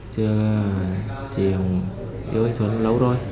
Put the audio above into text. chưa là chị yêu anh thuận lâu rồi